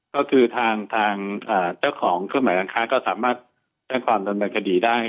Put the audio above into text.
ก็คือเจ้าของเครื่องหมายการค้าก็สามารถเนื่องกับหวังคดีได้